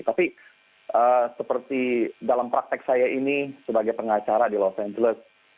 tapi seperti dalam praktek saya ini sebagai pengacara di los angeles